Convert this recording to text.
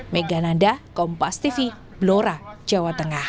megananda kompas tv blora jawa tengah